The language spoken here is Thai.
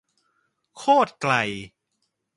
โคตรไกล